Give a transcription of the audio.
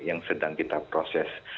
yang sedang kita proses